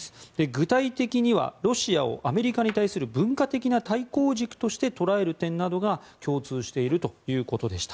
具体的にはロシアをアメリカに対する文化的な対抗軸として捉える点などが共通しているということでした。